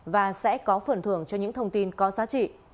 và sẽ có phần thưởng cho những thông tin có giá trị